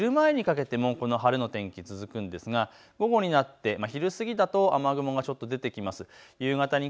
昼前にかけてもこの晴れの天気続くんですが午後になって昼過ぎだと雨雲がちょっと出てきます。